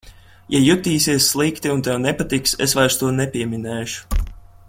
Ja jutīsies slikti un tev nepatiks, es vairs to nepieminēšu.